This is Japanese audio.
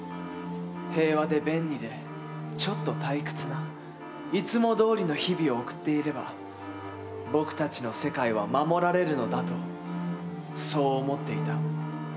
平和で便利でちょっと退屈な、いつもどおりの日々を送っていれば、僕たちの世界は守られるのだと、そう思っていた。